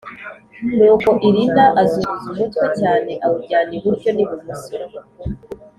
Nuko Irina azunguza umutwe cyane awujyana iburyo n ibumoso